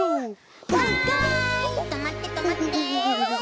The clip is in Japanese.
はいとまってとまって。